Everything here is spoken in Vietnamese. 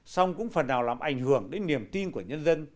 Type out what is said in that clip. song cũng phần nào làm ảnh hưởng đến niềm tin của nhân dân